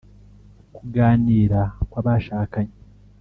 kuganira kw’abashakanye